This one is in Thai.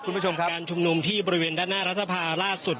การช่วงนุมในบริเวณด้านหน้ารักษภาลล่าสูตรฯ